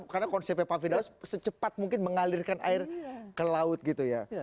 karena konsepnya pak finaus secepat mungkin mengalirkan air ke laut gitu ya